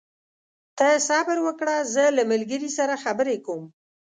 ته صبر وکړه، زه له ملګري سره خبرې کوم.